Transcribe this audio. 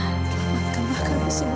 selamatkan bahkan semua ya allah